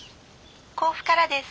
☎甲府からです。